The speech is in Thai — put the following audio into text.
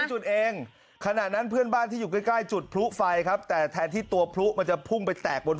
จุดเองขณะนั้นเพื่อนบ้านที่อยู่ใกล้ใกล้จุดพลุไฟครับแต่แทนที่ตัวพลุมันจะพุ่งไปแตกบน